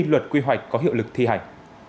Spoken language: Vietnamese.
luật quy hoạch có hiệu lực thi hành